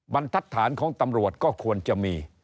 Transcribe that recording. บรรทัศน์ของตำรวจก็ควรจะมี